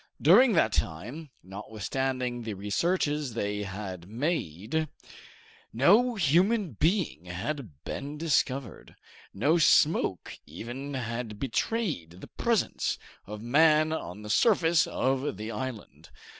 During that time, notwithstanding the researches they had made, no human being had been discovered. No smoke even had betrayed the presence of man on the surface of the island.